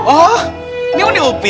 oh ini mau diupiah apa butet